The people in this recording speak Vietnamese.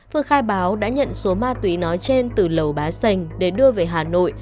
phương khai báo đã nhận số ma túy nói trên từ lầu bá sành để đưa về hà nội